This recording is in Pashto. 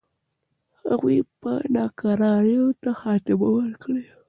هغوی به ناکراریو ته خاتمه ورکړي.